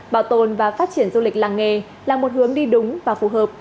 bảo tồn và phát triển du lịch làng nghề là một hướng đi đúng và phù hợp